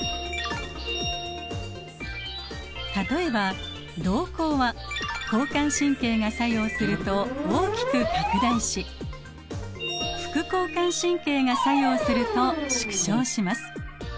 例えば瞳孔は交感神経が作用すると大きく拡大し副交感神経が作用すると縮小します。